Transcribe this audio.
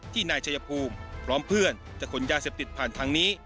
นายชายภูมิพร้อมเพื่อนจะขนยาเสพติดผ่านทางนี้